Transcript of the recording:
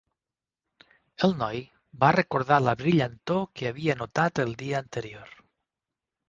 El noi va recordar la brillantor que havia notat el dia anterior.